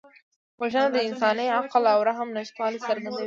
وژنه د انساني عقل او رحم نشتوالی څرګندوي